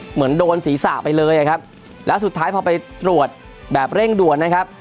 เหมือนโดนศีรษะไปเลยครับแล้วสุดท้ายพอไปตรวจแบบเร่งด่วนนะครับ